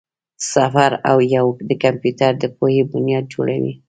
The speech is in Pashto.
صفر او یو د کمپیوټر د پوهې بنیاد جوړوي.